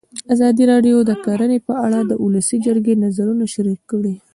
ازادي راډیو د کرهنه په اړه د ولسي جرګې نظرونه شریک کړي.